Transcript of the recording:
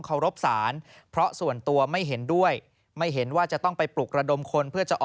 เขตศาลเนี่ยระวังนะ